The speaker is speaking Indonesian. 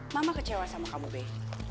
mama kecewa sama kamu bey